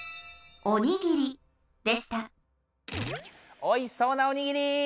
おいしそうなおにぎり。